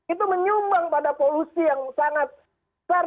itu menyumbang pada polusi yang sangat besar dan sebesar